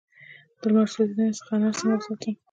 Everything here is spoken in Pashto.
د لمر سوځیدنې څخه انار څنګه وساتم؟